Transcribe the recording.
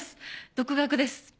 独学です！